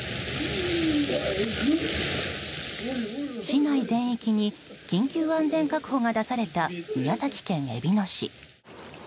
市内全域に緊急安全確保が出された宮崎県えびの市。